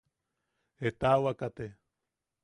Etawaka te.